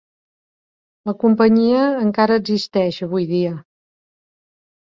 La companyia encara existeix avui dia.